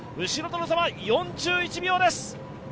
後ろとの差は４１秒です。